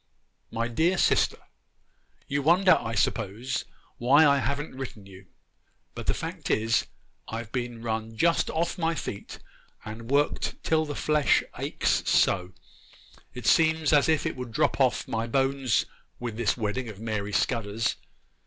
'MY DEAR SISTER, 'You wonder, I s'pose, why I haven't written you; but the fact is, I've been run just off my feet and worked till the flesh aches so, it seems as if it would drop off my bones with this wedding of Mary Scudder's.